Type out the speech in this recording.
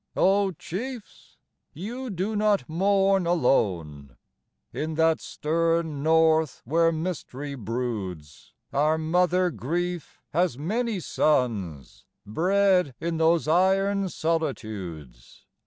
O chiefs, you do not mourn alone! In that stern North where mystery broods, Our mother grief has many sons Bred in those iron solitudes.